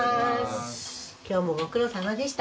今日もご苦労さまでした。